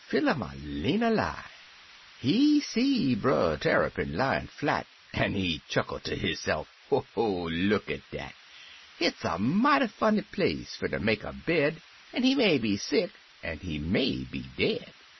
fil a ma leener li I He see Brer Tarrypin layin' flat, An' he chuckle ter hisse'f, " Oh ho! look at dat! It's a mighty funny place fer ter make a bed. An' he may be sick, an' he may be dead!